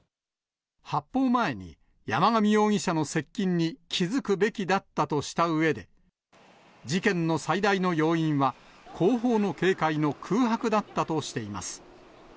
発砲前に山上容疑者の接近に気付くべきだったとしたうえで、事件の最大の要因は、後方の警戒の空白だったとしています。